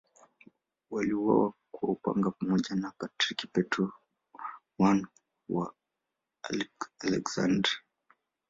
Waliuawa kwa upanga pamoja na Patriarki Petro I wa Aleksandria.